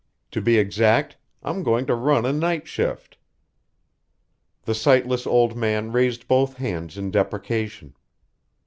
To be exact, I'm going to run a night shift." The sightless old man raised both hands in deprecation.